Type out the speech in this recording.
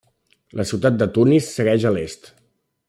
La ciutat de Tunis segueix a l'est.